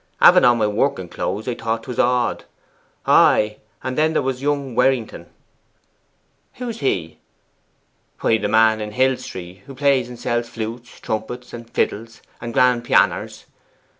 Having on my working clothes, I thought 'twas odd. Ay, and there was young Werrington.' 'Who's he?' 'Why, the man in Hill Street, who plays and sells flutes, trumpets, and fiddles, and grand pehanners.